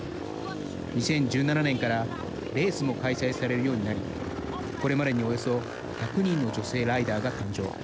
２０１７年からレースも開催されるようになりこれまでにおよそ１００人の女性ライダーが誕生。